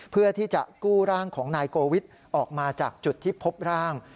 เพื่อที่จะกู้ร่างของนายโกวิทย์ออกมาจากจุดที่พบร่าง